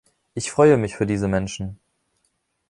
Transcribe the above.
Ich freue mich für diese Menschen.